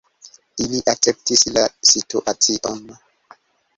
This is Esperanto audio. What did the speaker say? Ili akceptis la situacion.